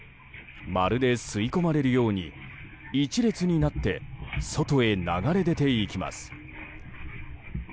まるで吸い込まれるように一列になって外へ流れ出ていきます。